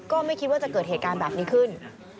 ก็ไม่คิดว่าจะเกิดเหตุการณ์แบบนี้ขึ้น